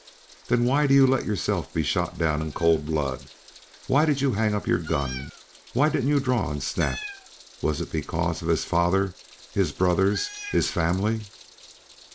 "Then why do you let yourself be shot down in cold blood? Why did you hang up your gun? Why didn't you draw on Snap? Was it because of his father, his brothers, his family?"